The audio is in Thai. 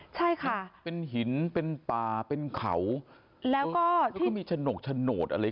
ใช่ค่ะเป็นหินเป็นป่าเป็นเขาแล้วก็มีฉนกโฉนดอะไร